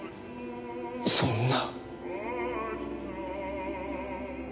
そんな！